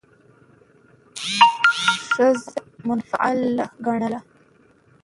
ښځه منفعله ګڼله،